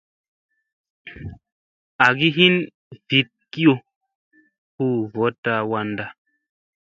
Agi hin vit kiyo hu votta wan da.